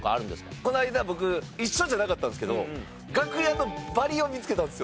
この間僕一緒じゃなかったんですけど楽屋のバリを見つけたんですよ